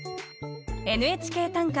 「ＮＨＫ短歌」